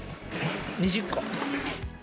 ２０個。